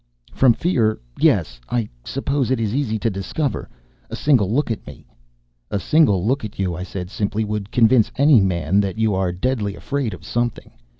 "From fear, yes. I suppose it is easy to discover. A single look at me...." "A single look at you," I said simply, "would convince any man that you are deadly afraid of something.